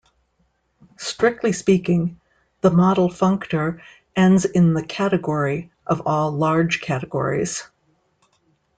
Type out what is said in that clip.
Strictly speaking, the model functor ends in the "category" of all large categories.